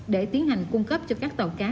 để tiến hành cung cấp cho các tàu cá